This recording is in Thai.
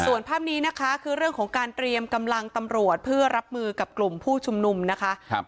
ส่วนภาพนี้นะคะคือเรื่องของการเตรียมกำลังตำรวจเพื่อรับมือกับกลุ่มผู้ชุมนุมนะคะ